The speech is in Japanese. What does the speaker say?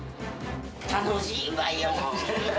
楽しいわよ。